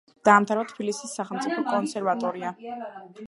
დაამთავრა თბილისის სახელმწიფო კონსერვატორია.